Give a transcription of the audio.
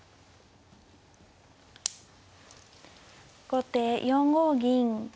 後手４五銀。